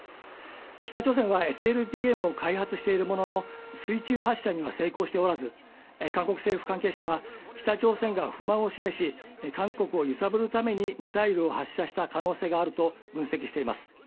北朝鮮はＳＬＢＭを開発しているものの水中発射には成功しておらず、韓国政府関係者は北朝鮮が不満を示し韓国を揺さぶるためにミサイルを発射した可能性があると分析しています。